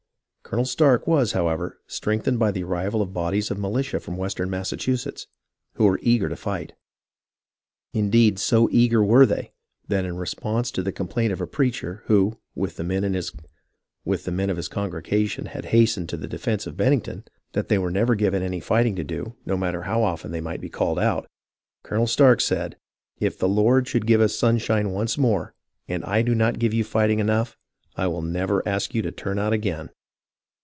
Colonel Stark was, however, strengthened by the arrival of bodies of militia from west ern Massachusetts who were eager to fight. Indeed, so eager were they that, in response to the complaint of a preacher, who, with the men of his congregation, had has tened to the defence of Bennington, that they never were given any fighting to do, no matter how often they might 1 88 HISTORY OF THE AMERICAN REVOLUTION be called out, Colonel Stark said, If the Lord should give us sunshine once more, and I do not give you fighting enough, I will never ask you to turn out again."